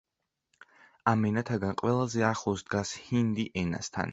ამ ენათაგან ყველაზე ახლოს დგას ჰინდი ენასთან.